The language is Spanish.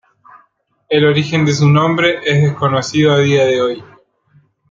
El origen de su nombre es desconocido a día de hoy.